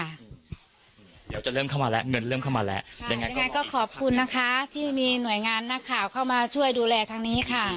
เดี๋ยวจะเริ่มเข้ามาแล้วเงินเริ่มเข้ามาแล้วยังไงก็ขอบคุณนะคะที่มีหน่วยงานนักข่าวเข้ามาช่วยดูแลทางนี้ค่ะ